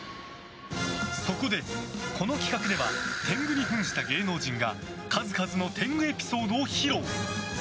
そこで、この企画では天狗に扮した芸能人が数々の天狗エピソードを披露。